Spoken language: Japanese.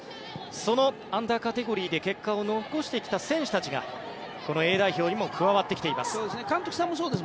そのアンダーカテゴリーで結果を残してきた選手たちがこのＡ代表にも加わってきています。